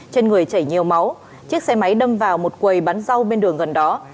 trên người chảy nhiều máu chiếc xe máy đâm vào một quầy bắn rau bên đường gần đó